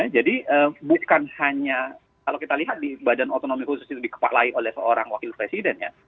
jadi bukan hanya kalau kita lihat di badan otonomi khusus itu dikepalai oleh seorang wakil presiden